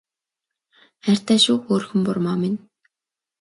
Хайртай шүү хөөрхөн бурмаа минь